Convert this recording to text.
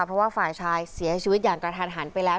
เพราะว่าฝ่ายชายเสียชีวิตอย่างกระทันหันไปแล้ว